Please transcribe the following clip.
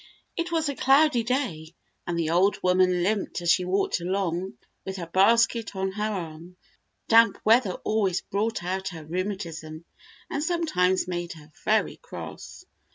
It was a cloudy day, and the old woman limped as she walked along with her basket on her arm. Damp weather always brought out her rheumatism, and sometimes made her very cross.